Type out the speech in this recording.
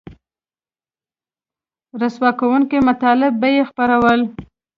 رسوا کوونکي مطالب به یې خپرول